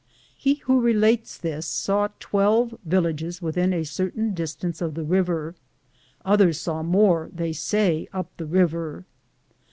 He who relates this, saw twelve villages within a certain distance of the river ; others saw more, they say, up the river.